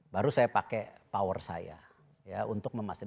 baru saya pakai power saya ya untuk memastikan